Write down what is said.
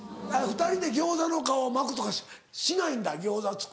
２人で餃子の皮巻くとかしないんだ餃子。